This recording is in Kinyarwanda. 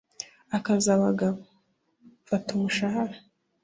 akazi abagabo! fata umushahara